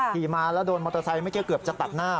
ขี่มาแล้วโดนมอเตอร์ไซค์เมื่อกี้เกือบจะตัดหน้า